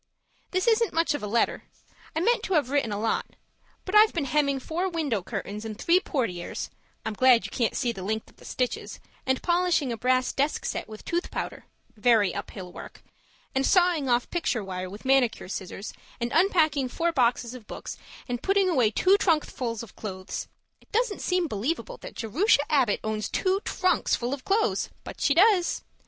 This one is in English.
This isn't much of a letter; I meant to have written a lot but I've been hemming four window curtains and three portieres (I'm glad you can't see the length of the stitches), and polishing a brass desk set with tooth powder (very uphill work), and sawing off picture wire with manicure scissors, and unpacking four boxes of books, and putting away two trunkfuls of clothes (it doesn't seem believable that Jerusha Abbott owns two trunks full of clothes, but she does!)